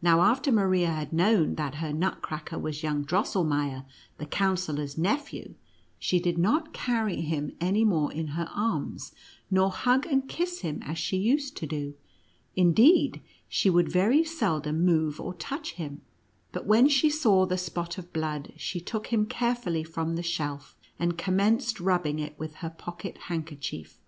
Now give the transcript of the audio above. Now, after Maria had known that her Nutcracker was young Drosselmeier, the Counsellor's nephew, she did not carry him any more in her arms, nor hug and kiss him, as she used to do; indeed, she would very seldom move or touch him; but when she saw the spot of blood, she took him carefully from the shelf, and commenced rubbing it with her pocket handkerchief.